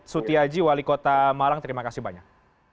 sutiaji wali kota malang terima kasih banyak